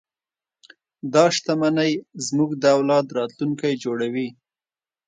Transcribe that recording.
دا شتمنۍ زموږ د اولاد راتلونکی جوړوي.